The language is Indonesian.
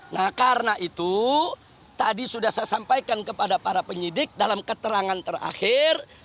nah karena itu tadi sudah saya sampaikan kepada para penyidik dalam keterangan terakhir